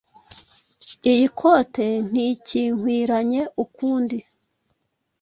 Iyi kote ntikinkwiranye ukundi